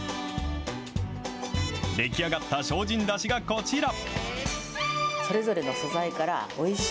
出来上がった精進だしがこちら。